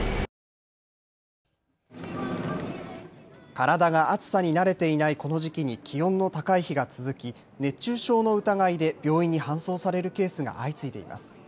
体が暑さに慣れていないこの時期に気温の高い日が続き熱中症の疑いで病院に搬送されるケースが相次いでいます。